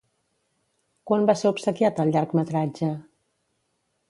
Quan va ser obsequiat el llargmetratge?